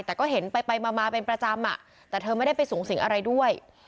แต่ก็เห็นไปไปมาเป็นประจำแต่เธอไม่ได้ไปสูงสิงอะไรด้วย